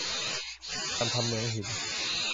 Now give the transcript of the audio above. การทำเหมืองหิน